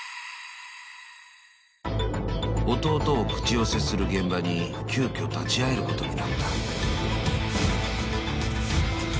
［弟を口寄せする現場に急きょ立ち会えることになった］